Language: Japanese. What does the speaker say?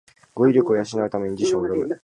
語彙力を養うために辞書を読む